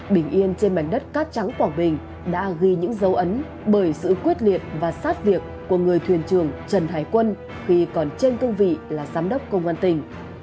bình yên trên mảnh đất cát trắng quảng bình đã ghi những dấu ấn bởi sự quyết liệt và sát việc của người thuyền trưởng trần hải quân khi còn trên cương vị là giám đốc công an tỉnh